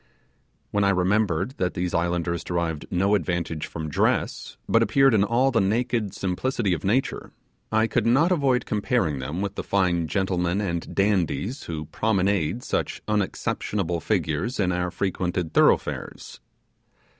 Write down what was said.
When I remembered that these islanders derived no advantage from dress, but appeared in all the naked simplicity of nature, I could not avoid comparing them with the fine gentlemen and dandies who promenade such unexceptionable figures in our frequented thoroughfares.